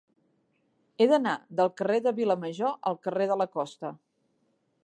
He d'anar del carrer de Vilamajor al carrer de la Costa.